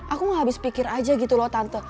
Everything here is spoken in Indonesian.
aku mau habis pikir aja gitu loh tante